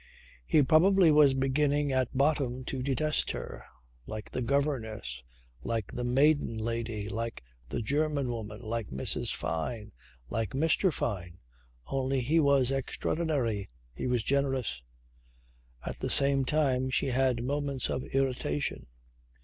He probably was beginning at bottom to detest her like the governess, like the maiden lady, like the German woman, like Mrs. Fyne, like Mr. Fyne only he was extraordinary, he was generous. At the same time she had moments of irritation.